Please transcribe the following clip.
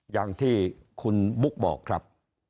อย่างที่คุณบุ๊กบอกครับ